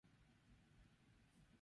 Txileko Kapitain Nagusi izendatu zuten.